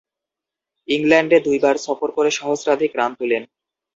ইংল্যান্ডে দুইবার সফর করে সহস্রাধিক রান তুলেন।